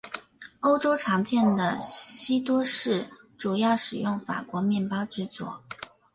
欧洲常见的西多士主要使用法国面包制作。